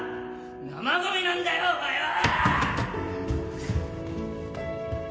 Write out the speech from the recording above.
生ごみなんだよお前は！